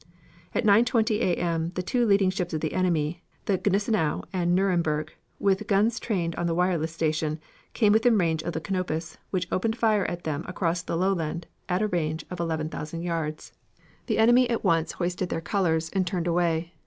At 9.20 A. M. the two leading ships of the enemy, the Gneisenau and Nuremburg, with guns trained on the wireless station, came within range of the Canopus, which opened fire at them across the lowland at a range of 11,000 yards. The enemy at once hoisted their colors, and turned away.